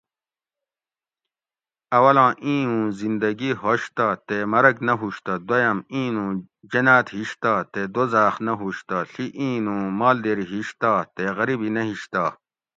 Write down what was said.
اولاں اِیں اُوں زِندگی ہشتہ تے مرگ نہ ہُوشتہ دویم اِیں نوں جناۤت ہِشتہ تے دوزاۤخ نہ ہُوش تہ ڷی اِیں نوں مالدیری ہِشتہ تے غریبی نہ ہِشتہ